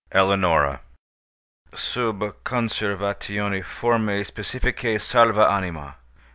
ELEONORA Sub conservatione formæ specificæ salva anima.